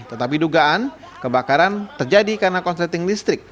tetapi dugaan kebakaran terjadi karena konsleting listrik